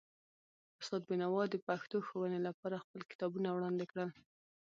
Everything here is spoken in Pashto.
استاد بینوا د پښتو ښوونې لپاره خپل کتابونه وړاندې کړل.